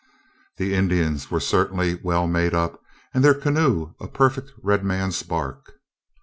The Indians were certainly well made up, and their canoe a perfect redman's bark.